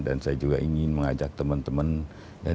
dan saya juga ingin mengajak teman teman